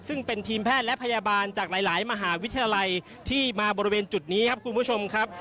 ซึ่งเป็นทีมแพทย์และพยาบาลจากหลายมหาวิทยาลัยที่มาบริเวณจุดนี้ครับคุณผู้ชมครับ